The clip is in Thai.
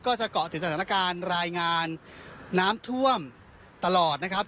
จะเกาะติดสถานการณ์รายงานน้ำท่วมตลอดนะครับ